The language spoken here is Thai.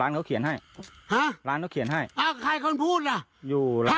ร้านเขาเขียนให้ฮะร้านเขาเขียนให้อ่ะใครคนพูดอ่ะอยู่ล่ะ